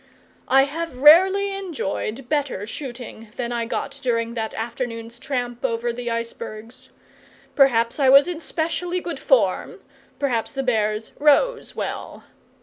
I have rarely enjoyed better shooting than I got during that afternoon's tramp over the icebergs. Perhaps I was in specially good form; perhaps the bears "rose" well.